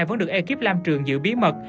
vẫn được ekip lam trường giữ bí mật